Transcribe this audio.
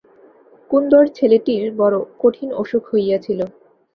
কুন্দর ছেলেটির বড় কঠিন অসুখ হইয়াছিল।